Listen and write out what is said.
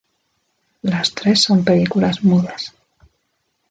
Las tres son películas mudas.